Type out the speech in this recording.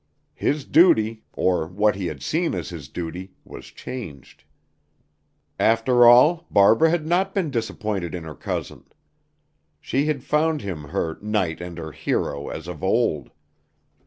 His duty or what he had seen as his duty was changed. After all, Barbara had not been disappointed in her cousin. She had found him her "knight and her hero" as of old.